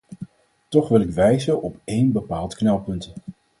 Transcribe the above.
Toch wil ik wijzen op één bepaald knelpunt.